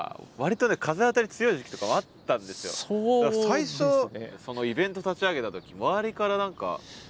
最初そのイベント立ち上げた時周りから何か。